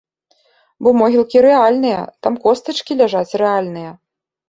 Бо могілкі рэальныя, там костачкі ляжаць рэальныя.